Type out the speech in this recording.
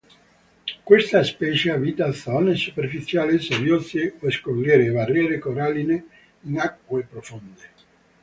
Questa specie abita zone superficiali, sabbiose o scogliere e barriere coralline in acque profonde.